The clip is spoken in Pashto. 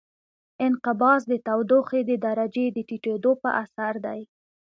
انقباض د تودوخې د درجې د ټیټېدو په اثر دی.